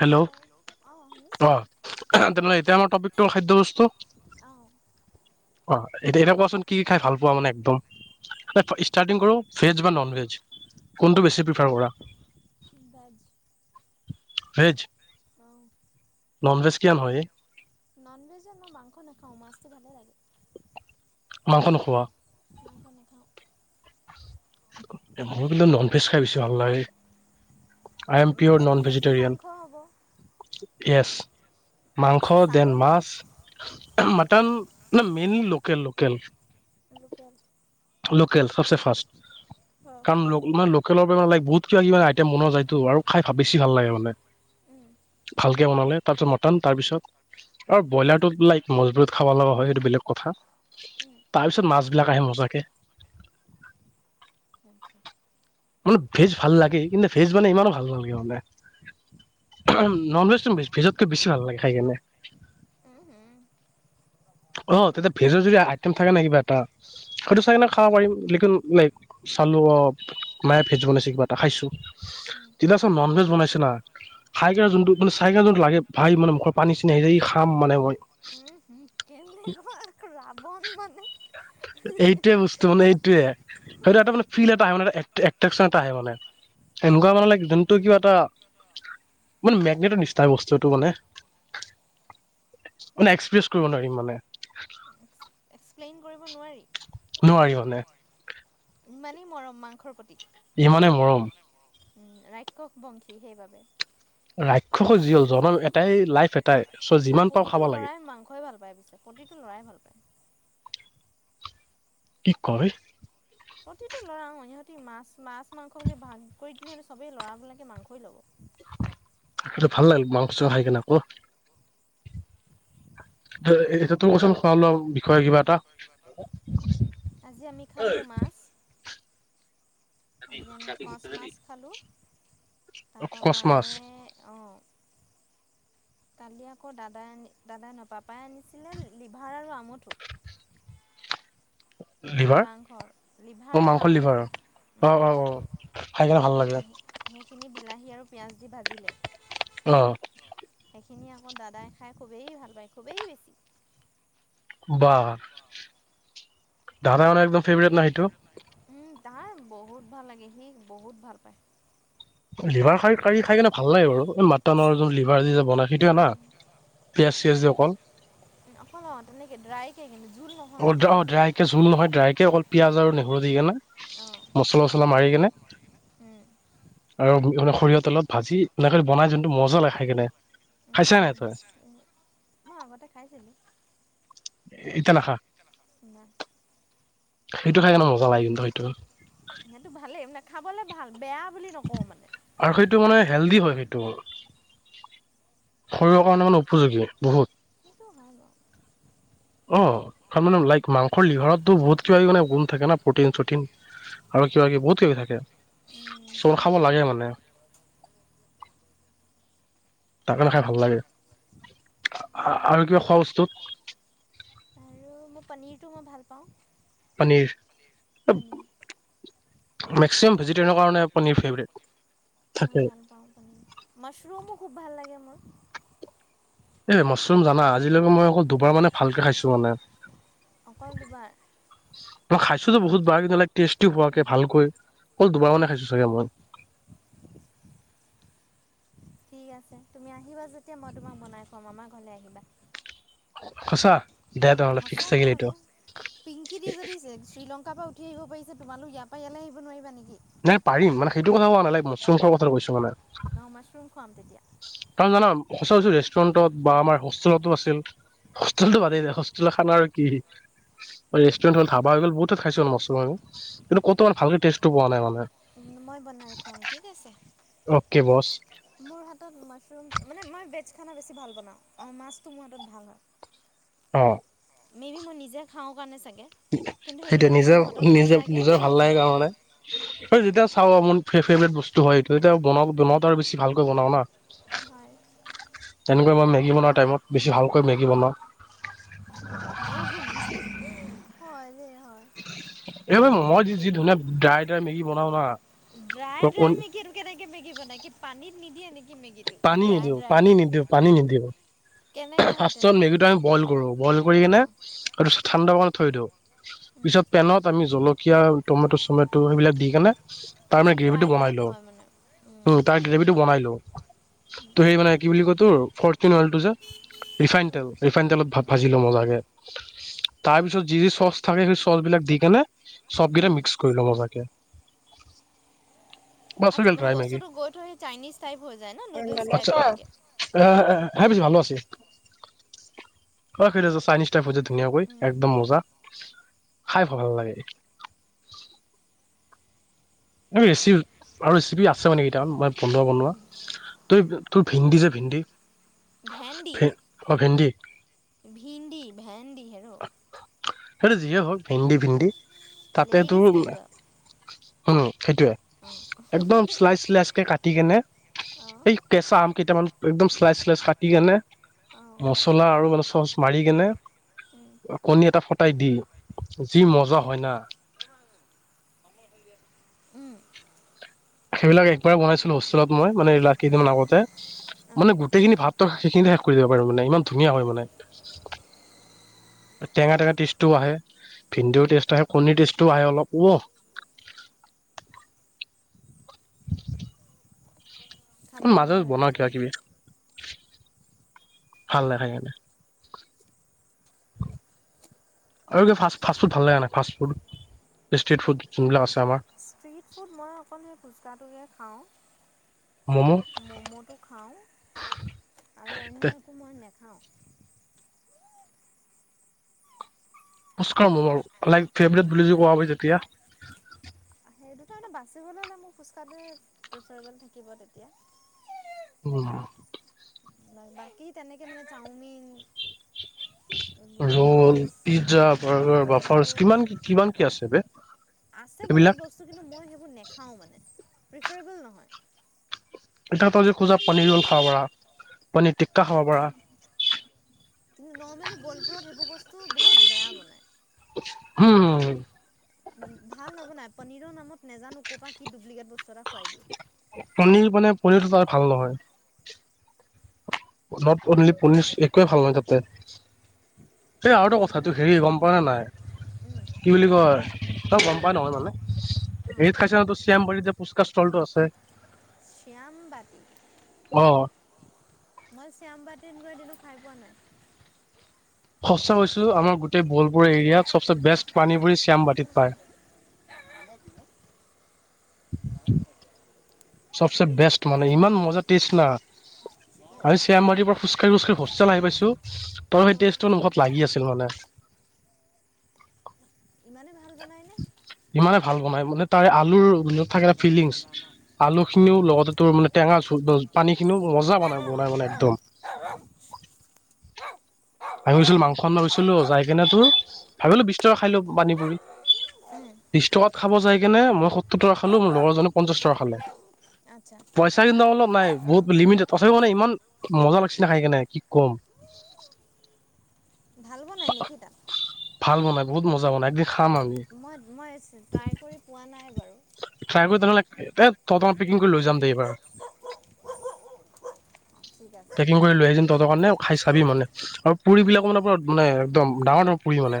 Hello অ, অঁ শুনিছোঁ তেনেহ'লে এতিয়া আমাৰ টপিকটো খাদ্যয় বস্তু। অঁ অ এ এনে কোৱাচোন কি কি খাই ভাল পোৱা মানে, একদম ষ্টাৰ্টিং কৰো ভেজ বা নন ভেজ, কোনটো বেছি প্ৰিফাৰ কৰা। বাাজ। সেইজ। আহ। নন ভেজকিয়ান হয়। নন ভেজে ন মাংস নাখাও, মাছতটো ভালে লাগে। মাংস নোখোৱা। মাংস নেখাওঁ। মই কিন্তু নন ভেজ খাই পছো ভাল লাগে I am pure non definitely vegetarian মাংস হ'ব মাংস দেন ছাগলী মাছ মাটন [unintelligible] ন মেনলি লোক। লোকেল লোকেল লোকেল লোক। কেল ফচেন ফা। অঁ কাৰণ মানে লোকেলৰ পৰাানে ল বহুত কিবা কিব আইটেম বন যায়তটো আৰু খাই ভ বেছি ভাল লাগে মানে উম ভাল। বনালে তাৰপিছত মটন তাৰপিছত আৰু ব্ৰইলাৰ ল। মজবুত খাব লগা হয় এইটো বেলেগ কথা উম তাৰ পিছত মাছ। বিলাক আহে মজাকে। [unintelligible] মানে ভেজ ভাল লাগে কিন্তু ভেজ মানে ইমানো ভাল নালাগে মানে নন ভেজটো ভেজতকে বেছি ভাল লাগে খাই কেনে। উম উম। অ তেতিয়া ভেজৰ যদি আইটেম থাকে নাই কিবা এটা সেইটো চাইনে খাব পাৰিম লকিন লাইক চালো অ। মায়ে ফেচবনাইছে কিবা এটা খাইছো। উম তিলাচন নন ভেজ বনাইছ। না চাইগেল যোনটো মানে চাইগেল যোনটো লাগে ভাই মানে মুখৰ পানী চিনি আহ য খাম মানে। উম হম কেনেুৱা ৰাৱণ মানে। এইটোৱে বস্তু মানে এইটোয়ে সেইটো এটা মানে ফিল এটা হয় মানে। এট্ৰেকচন এটা আহে মানে এনেকুৱা মানে ল যোনটো কিবা এটা মানে মেগনেটৰ নিষ্ঠা বস্তুটো মানে মানে এক্সপ্ৰেছ কৰিব নোৱাৰিম মানে। প্লেইন কৰিব নোৱাৰি। নোৱাৰি মানে। ইমানেই মৰম মাংসৰ প্ৰতি। ইমানে মৰম। উম ৰাক্ষস বংশী সেইবাবে। ৰাক্ষস যি হল জনাম এটাই লাইফ এটাই চ না যিমান পাৰ প্ৰতিটো খাব লাগে। ল'ৰাই মাংসই ভাল পায় পিছে প্ৰতিটো ল'ৰাই ভাল পায় কি কয়। প্ৰতিটো লৰা ইহঁতি মাছ মাছ মাংস বুলি ভাগ কৰি দিলে সিহ সবে লৰাবলাকে মাংসই ল'ব। সেইটো ভাল লাগিল মাংস খাই কিনে আকৌ এ তোৰ কচোন খোৱা লোৱা বিষয়ে কিবা এটা। আজি আমি খালোঁ মাছ। আজি আমি কচ মাছ খালোঁ তাপ কচ মাছ মায় অ। কালি আকৌ দাদাই আনি দাদাই নপাপাই আনিছিলে লিভাৰ আৰু আমুঠো। লিভাৰ মাংস অ লিভাৰ মাংস লিভাৰ আমঠ অ উম অ অ খাই কেনে ভাল লাগে [inaudible] মো খিনি বিলাহি আ। পিঁয়াজ দি ভাজিলে। অ। খিনি আকৌ দাদাই খাই খুবেই ভাল পায় খুবেই বেছি। বা। দাদা মে একদম ফেভৰেট সেইটো। তাৰ বহুত ভাল লাগে সি বহুত ভাল পায়। লিভাৰ কাৰী খাই কেনে ভাল লাগে বাৰু মাটনৰ যোন লিভাৰ যি যে বনাই সেইটোয়ে না পিয়াজ চিয়াজ যে। কল অকন অঁ তেনেকে ড্ৰাই কে অ অ ড্ৰাইকে জোল নহয় ড্ৰাইকে অকল পিয়াঁজ আৰু নহৰু দি কে না মচলা চছলা মাৰি কেনে অঁ আৰু সৰিয়হ তেলত ভাজি এনেক বনাই যোনটো মজা লাগে খাই কেনে খাইছা নাই উম তই উম মই আগতে খাইছিলো এতিয়া নাখা নাহ সেইটো খাই কেনে মজা লাগে কিন্তু সিহঁতো ভালেই এইবিলাক খাবলৈ ভাল বেয়া বুলি নকওঁ মানে আৰু সেইটো মানে হেলডি হয় সেইটো শৰীৰৰ কাৰণে মানে উপযোগী বহুত সেইটো হয় বাও অ মানে লাইক মাংস লিভাৰতো বহুত কিবা কিবি মানে গুণ থাকে ন প্ৰটিন চটিন আৰু কিবা কিবি বহুত কিবি থাকে। বাৰু চোৰ হয় খাব লাগে মানে তাকে নাখাই ভাল লাগে আৰু কিয় খোৱা বস্তু আৰু মই পনীৰটো মই ভাল পাওঁ পনীৰ পনীৰ মে মই ভাল পাওঁ থাকে পনীৰ। মাছৰুমও খুব ভাল লাগে ম [unintelligible] এই মাছৰুম জানা আজিলৈকে মই অকল দুবাৰ মানে ভালকে খাইছো মানে অকল দুবাৰ? বহুত বাৰ কিন্তু লাইক টেষ্টি হোৱাকে ভালকৈ। অকল দুবাৰ মানে খাইছো চাগে মই। ঠিক আছে তুমি আহিবা যেতিয়া মই তোমাক বনাই খোৱাম আমাৰ ঘৰলে আহিবা। সঁচা দে তেনেহ'লে ফিক্স সচাকে থাকিল আক এইটো পিংকি দি যদি শ্ৰীলংকাৰ পৰা উঠি আহিব পাৰিছে তোমালোক ইয়াৰ পৰা য়ালৈ আহিব নোৱাৰা নি? শুংখৰ কথাটো কৈছো মানে। নৌ মাছৰোম খোৱাম তেতিয়া। সঁচাচু ৰেষ্টুৰেণ্টত বা আমাৰ হোষ্টেলতো আছিল হোষ্টেলতো বাদেই হোষ্টেলৰ খানা আৰু কি ৰেষ্টুৰেণ্ট হ'ল ধাবা হৈ গল বহুত খাইছো মাছৰোং কিন্তু ক'ত ইমান ভালকে টেষ্টটো পোৱা নাই মানে না মই বনাই খুৱাম ঠিক আছে, অ'কে বছ মোৰ হাতত মাছৰুম মানে মই ভেজ খানা বেছি ভাল বনাওঁ আৰু মাছটো মোৰ হাতত ভাল হয়। অ। মে বি মই নিজে খাওঁ কাৰণে চাগ সেইটোয়ে নিজে নিজে সঁচাকেই নিজৰ ভাল লাগে হয় কাৰণে আৰু যেতিয়া চাও আও মন ফেভৰেট বস্তু হয় এইটো এতিয়া বনাওঁ বনাওঁতে আৰু বেছি ভালকৈ বনাওঁ না। হয় তেনেকৈ মই মেগী বনোৱা টাইমত বেছি ভালকৈ মেগী বনাওঁ। জহনিজ হয়। দেই হয় এইবাবে মই য যি ধুনীয়া ড্ৰাই ড্ৰাই মেগী বনাও না ড্ৰাই ড্ৰাই মেগী কেনেকে মেগী বনাই কি পানীত নিদিয়ে, নি পানী নিদিওঁ, পানী নিদিওঁ, পানী নিদিওঁ। কেনেকে হয় ফাষ্টতত তেন্তে মেগীটো আমি বইল কৰোঁ, বইল কৰি কিনে অঁ তাৰপিছত ঠাণ্ডা হ'বলে থৈ দিওঁ, পিছত পেনত আমি জলকীয়া টমেট', চমেট' সেইবিলাক দি কেনে আচ্ছা তাৰমানে ফ্ৰাই গ্ৰেভিটো বনাই টাইপ লওঁ, হয় মানে উম, তাৰ গ্ৰেভিটো বনাই লওঁ। ত' সেই মানে কি বুলি কয়? তোৰ ফৰ্চুন অইলটো যে। ৰিফাইন তেল, ৰিফাইন তেলত ভা-ভাজি লওঁ মজাকে, তাৰপিছত যি, যি চচ থাকে, সেই চচবিলাক দি কেনে চব গিটা মিক্স কৰি লওঁ মজাকে। বাছ হৈ আচ্ছা গেল মানে ড্ৰাই মেগী বস্তুটো গৈ থৈ চাইনিজ টাইপ হৈ যায় ন নুডলছ টাইপ হয়গৈ ই মিছি ভাল আছি অ সেইটো তহ চাইনিজ টাইপ হয় যায়। ধুনীয়াকৈ একদম মজা, খাই ভাল নালাগে। ৰেচি আৰু ৰেচিপি আছে মানে কেইটা মই বনোৱা বনোৱা তই তোৰ ভিন্দি যে ভিন্দ ভেন্দি ভিন্দি এ ভেন্দি হেৰ! সেই যি এ হওঁক ভেন্দি ভিন্দি তাতে তোৰ, লেডিজ ফিংগাৰ হম্! সেইটোয়ে অঁ একদম চালাইচ চালাইচ কে কাটি কেনে অঁ এই কেঁচা আম কেইটামান, একদম চালাইছ চালাইছ কাটি কেনে, অঁ মছলা আৰু ম চচ মাৰি কেনে, উম কণী এটা ফ। টাই দি যি অঁ মজা হয় না। উম। সেইবিলাক একবাৰ বনাইছিলো হোষ্টেলত মই মানো ইলাদিনমান আগতে। উম মানে গোটেইখিনি ভাব। ত সেইখিনি শেষ কৰি ব পাৰো মানে ইমান। ধুনীয়া হয় মানে। টেঙা টেঙা টেষ্টও আহে ভেন্দিও টেষ্ট আহে কণীৰ টেষ্টও আহে অলপ ওৱ। ম খাবলৈ মাজে ভাল হয় বনাও তেতিয়া কিবা ন কিবি। ভাল নেখায়ে আৰু ফাছ ফু ফাছ ফুড ভাল নখে নাই ফ ফুড ষ্ট ফুড যোনবিলাক আছে আমাৰ। ষ্ট্ৰিট ফুড মই অকল সে খোজকাটোকে। অ। ম'ম' মম'টো খাওঁ আৰু অন্য একো মই নে। [unintelligible] উচকা মৰ লাইক ফেভৰেট বুলি কোৱা হয় যেতিয়া। সেই দুতাৰণত বাচিবলৈ হ'লে মোৰ খোজ কঢ়ে প্ৰিফাৰবেল থাকিব তেতিয়া। [unintelligible] বাকী তেনেকে মানে চাওমিন। এইবোৰ ৰোল পিজ্জা নুডলছ এইবোৰ বাৰ্গাৰ বাফাৰ্চ এইবোৰ কিমান কি কিমান কি আছে বে আছে এইবিলাক বহুত বস্তু কিন্তু মই সেইবোৰ নেখাও মানে। প্ৰিফেবল নহয়। এটা তলি খোজা পনীৰ ৰোল খাব পাৰা, পনীৰ টিক্কা খাব পাৰা। নৰ্মেলি বলপুৰত সেইবোৰ বস্তু বহুত বেয়া বনায়। হম ভাল নবনাই পনীৰৰ নামত নাজানো ক'ৰ পৰা কি ডুপ্লিকেট বস্তু এটা খুৱাই দিয়ে। পনীৰ মানে পনীৰটো তাৰে ভাল নহয়। [unintelligible] অনলি পনীচ একোৱে ভাল নাই তাতে। এই আৰু সেইকাৰণে কথাটো মানে হেৰি গম পোৱা নে নাই? উম কি বুলি কয়? তই গম পাই নহয় মানে। অ', হেৰিত খাইছ তুছ তেমপৰিত যে পুচকাৰ ষ্টলটো আছে। শ্যামবাট। অ মই শ্যামবাটত তেনেকুৱা দিনো খাই পোৱা নাই। সঁচা কৈছো আমাৰ গোটেই বলপুৰ এৰিয়াত চবচে বেষ্ট পানীপুৰি শ্যামবাটিত পায় [inaudible] চবচে বেষ্ট মানে ইমান মজা টেষ্ট না আমি চিয়ামাৰিৰ পৰা খোজকাঢ়ি খোজকাঢ়ি হোষ্টেল আহি পাইছোঁ তই সেই অ', টেষ্টৰ মুখত লাগি আছিল মানে। ইমানেই ভাল বনাইনে? ইমানে ভাল বনাই মানে তাই আলুৰত থাকেটা ফিলিংছ আলু খিনিও লগতে তোৰ মানে টেঙা পানী খিনিও মজা বনাই, বনাই মানে একদম। আয় ছোল মাংস গৈছিলো যায় কিনে তোৰ ভাবিলো বিশ টকাৰ খাই লওঁ পানী পুৰি। উম, বিশ টকাত খাব যায় [unintelligible] মই [unintelligible] টকা খালো মোৰ লগৰজো পঞ্চাশ টকা খালে। আচ্ছা পইচা কিন্তু অলপ নাই বহুত লিমিটেড তথাপিও মানে ইমান মজা লাগিছে ন খাই কেনে কি ক'ম। ভাল বনাই নেকি তাত? ভাল বনাই, বহুত মজা বনাই এক খাম আমি, মই মই ট্ৰাই কৰি পোৱা নাই বাৰু। [unintelligible] পেকিং কৰি লৈ যাম দে এইবাৰ। ঠিক আছে পেকিং কৰি লৈ আহিযাম তহতৰ কাৰণে খাই চাবি মানে আৰু পুৰি বিলাক মানে মানে একদম ডাঙৰ ডাঙৰ পুৰি মানে,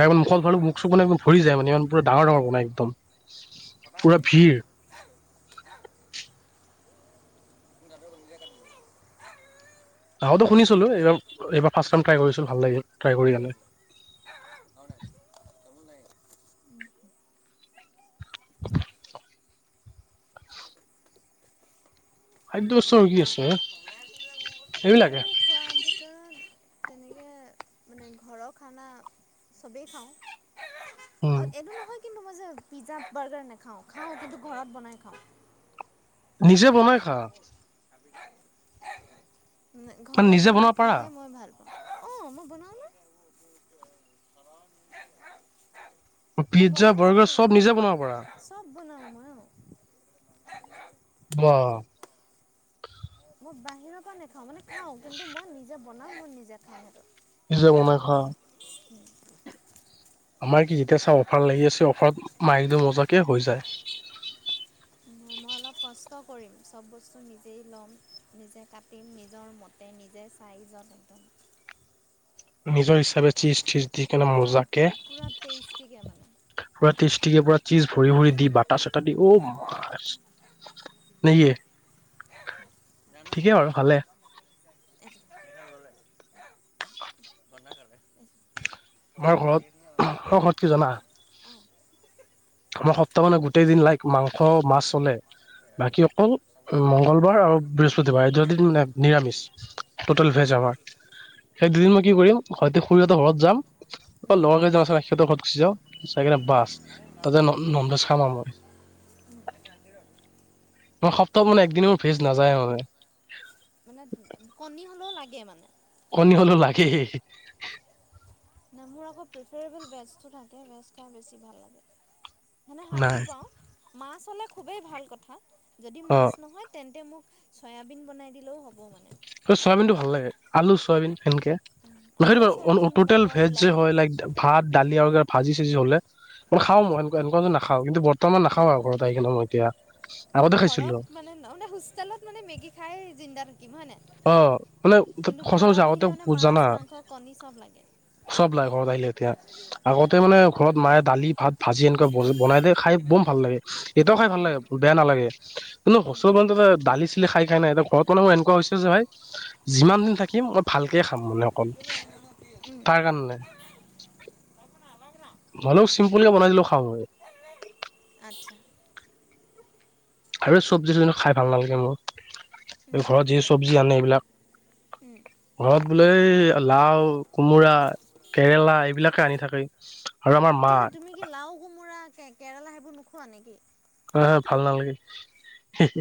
ত মুখল ভাল মুখ চ ভৰি যায় মানে ইমান প ডাঙৰ ডাঙৰ বনাই একদম পুৰা ভিৰ [inaudible] শুনিছিলো এইবাৰ এইবাৰ ফাৰ্ষ্ট টাইম ট্ৰাই কৰিছো, ভাল লাগে। ট্ৰাই কৰি কেনে। উম। [inaudible] খাদ্য বস্ত কি আছে? হ এইবিলাকে আৰু তেনেকে মানে ঘৰৰ খানা চবেই খাওঁ। উম আৰু এটো নহয় যে কিন্তু মই যে পিজ্জা বাৰ্গাৰ নাখাওঁ খাওঁ কিন্তু ঘৰত বনাই খাওঁ। নিজে বনাই খা? মানে ঘৰত নিজে বনাব বনাই পাৰা খাইহে মই ভাল অ', মই বনাওঁ ন'। মই পিজ্জা বনাইছোঁ, বাৰ্গাৰ চব নিজে বনাব পাৰা চব বনাওঁ মই অ' বা মই বাহিৰৰ পৰা নেখাওঁ, মানে খাওঁ কিন্তু মই নিজে বনাওঁ, মই নিজে খাওঁ সেইটো। নিজে বনাই খোৱা? উম। আমাৰ কি যেতিয়া চাওঁ অফাৰ লাগি আছে অফাৰত মাৰি দিও মজাকে হৈ যায়। মই অলপ কষ্ট কৰিম চব বস্তু নিজেই ল'ম নিজে কাটিম নিজৰ মতে নিজে চাইজত একদম। নিজৰ ইচ তাৰপিছত চিজ টিজ দি কেনে পূৰা মজাকে পূৰা পূৰা টেষ্টিকৈ মানে পুৰা টেষ্টিকে পুৰা চিজ ভৰি ভৰি দি বাটাৰ চাটাৰ দি ঔ মা নেকি? জানো ঠিকেই বাৰু ভালে। এইটো পইচা ল'লে হা বন্ধা খালে পইচা আমাৰ কি ঘৰত কেছ ন ঘ ঘৰত কি জানা? অঁ আমাৰ সপ্তাহ মানে গোটেই দিন লাইক মাংস মাছ চলে বাকী অকল অঁ চাব পোৱা মংগলবাৰ আৰু বৃহস্পতিবাৰ এই দুদিন মানে নিৰামিষ, টটেল ভেজ আমাৰ সেই দুদিন মই কি কৰিম হয় খুৰীহঁতৰ ঘৰত যাম আকৌ লগৰ কেইজন যা সিহঁতৰ ঘৰত গুচি যাওঁ যাই কিনে বাছ মানে আৰে নাও দে তাতে ন ননভেজ খাম আৰু মই। এটা আনি ৰ মই সপ্তাহ মানে একদিন মোৰ ভেজ নাযায় মানে। মানে কণী হ'লেও লাগে মানে। কণী হলেও লাগে। নাই মোৰ আক প্ৰফিৰিবিল ভেজটো থাকে। ভেজ খাই বেছি ভাল লাগে। মানে শান্তি নাই। পাওঁ। মাছ হ'লে খুবেই ভাল কথা। যদি মাছ অ' নহয় তেন্তে মোক। চয়াবিন বনাই দিলেওঁ হ'ব মানে। অ চয়াবিনটো ভাল লাগে, আলুচ চয়াবিন সেনকে, আলু [unintelligible] চয়াবিন টোটেল মটৰ ভেজ হয় যে বিলাহী হয়, লাইক ভাত দালি আৰু কিবা এটা ভাজি চাজি হ'লে মানে খাওঁ অঁ মই এনেকুৱা এনেকুৱা ত নাখাওঁ কিন্তু বৰ্তমান বৰ্তমান নাখাওঁ আৰু ঘৰত আহিকিনে মই এতিয়া। মানে আগতে ঘৰত খাইছিলোঁ। মানে ন হোষ্টেলত মানে মেগী খাই জিন্দা থাকোঁ। অ মানে সঁচা কৈছা ঘৰত আগতে আহিলে মানে মাছ, জানা মাংস, কণী চব লাগে। চব লাগে ঘৰত আহিলে এতিয়া, আগতে মানে ঘৰত মায়ে দালি ভাত ভাজি এনেকুৱা বনাই দিয়ে খাই বম ভাল লাগে, এতিয়াওঁ খাই ভাল অ'। লাগে বেয়া নালাগে। নালাগে, মানে হোষ্টেলত মানে ত দালি চালি খাই খাই না এতিয়া ঘৰত মানেওঁ এনেকুৱা হৈছে জীয়াই যিমান দিন থাকিম মই ভালকে খাম মানে অকল উম, তাৰ কাৰণে। হলেও চিম্পুলকে বনাই দিলেওঁ খাওঁ। আচ্ছা, আৰু চব্জি চিজেনৰ খাই ভাল নালাগে মোক। উম, এই ঘৰত যি চব্জি আনে এইবিলাক। উম। ঘৰত বোলেই লাওঁ কোমোৰা, কেৰেলা এইবিলাকে আনি থাকে। আৰু আমাৰ মা কেলে তুমি কি লাওঁ কোমোৰা। কেৰেলা সেইবোৰ নোখোৱা নেকি? অ ভাল নালাগে হে হে।